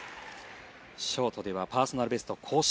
ショートではパーソナルベスト更新。